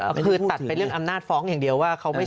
คือตัดไปเรื่องอำนาจฟ้องอย่างเดียวว่า